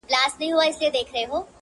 ذره غوندي وجود یې د اټوم زور شرمولی٫